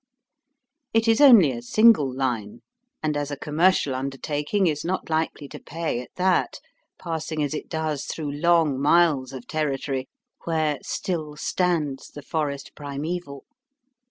It is only a single line, and as a commercial undertaking is not likely to pay at that, passing as it does through long miles of territory where "still stands the forest primeval."